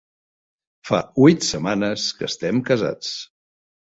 Fa huit setmanes que estem casats.